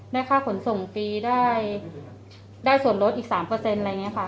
ได้ค่าผลส่งฟรีได้ได้ส่วนลดอีกสามเปอร์เซ็นต์อะไรอย่างเงี้ยค่ะ